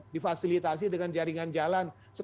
difasilitasi dengan jaringan jalan